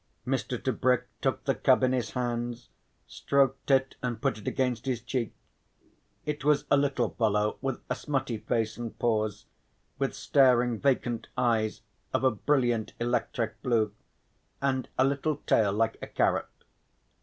Mr. Tebrick took the cub in his hands, stroked it and put it against his cheek. It was a little fellow with a smutty face and paws, with staring vacant eyes of a brilliant electric blue and a little tail like a carrot.